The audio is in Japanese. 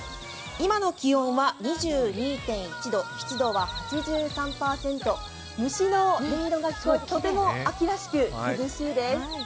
今の気温は２２．１度湿度は８３％虫の音色が聞こえてとても秋らしく涼しいです